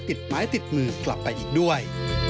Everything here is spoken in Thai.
ติดไม้ติดมือกลับไปอีกด้วย